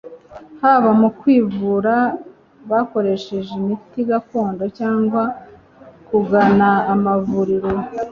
haba mu kwivura bakoresheje imiti gakondo cyangwa kugana amavuriro